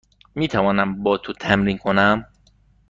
می توانم با تو تمرین کنم؟